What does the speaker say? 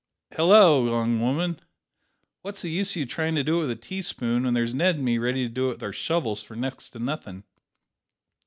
Hallo, young 'ooman, what's the use o' trying to do it with a teaspoon, when there's Ned and me ready to do it with our shovels for next to nothin'?"